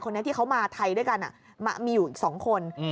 คนนี้ที่เขามาไทยด้วยกันมีอยู่๒คน